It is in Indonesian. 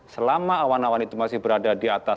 selama awan awan itu masih berada di atas